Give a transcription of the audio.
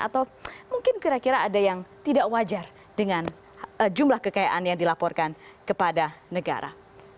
atau mungkin kira kira ada yang tidak wajar dengan jumlah kekayaan yang dilaporkan kepada negara